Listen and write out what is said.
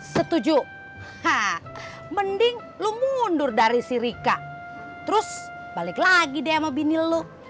setuju haa mending lu mundur dari si rika terus balik lagi deh sama bini lu